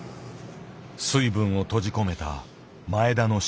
水分を閉じ込めた前田の処理。